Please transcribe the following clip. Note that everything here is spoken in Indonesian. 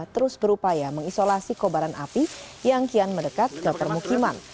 terus berupaya mengisolasi kobaran api yang kian mendekat ke permukiman